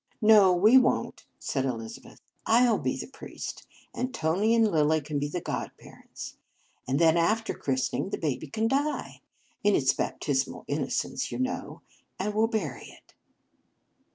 " No, we won t," said Elizabeth. " I 11 be the priest, and Tony and Lilly can be godparents. And then, after its christening, the baby can die, in its baptismal innocence, you know, and we 11 bury it."